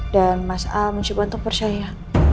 dan mas al mencoba untuk percaya